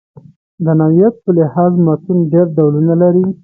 د نوعیت په لحاظ متون ډېر ډولونه لري.